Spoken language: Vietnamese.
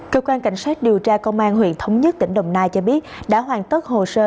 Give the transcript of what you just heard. cơ quan cảnh sát điều tra công an huyện thống nhất tỉnh đồng nai cho biết đã hoàn tất hồ sơ